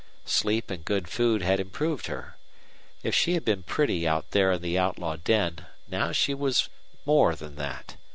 Sleep and good food had improved her. If she had been pretty out there in the outlaw den now she was more than that.